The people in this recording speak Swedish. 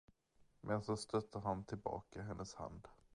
Men så stötte han tillbaka hennes hand.